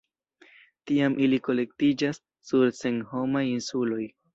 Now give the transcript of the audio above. Tiam ili kolektiĝas sur senhomaj insuloj.